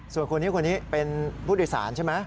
ส่วนคนนี้คนนี้เป็นผู้โดยสารใช่ไหม